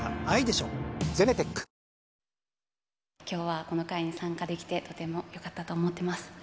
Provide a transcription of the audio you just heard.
きょうは、この会に参加できて、とてもよかったと思っています。